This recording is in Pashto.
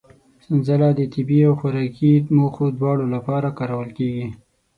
سنځله د طبي او خوراکي موخو دواړو لپاره کارول کېږي.